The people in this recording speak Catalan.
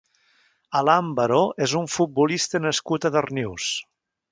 Alan Baró és un futbolista nascut a Darnius.